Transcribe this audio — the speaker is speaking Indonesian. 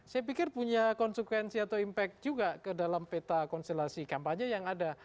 saya pikir punya konsekuensi atau impact juga ke dalam peta konstelasi kampanye yang ada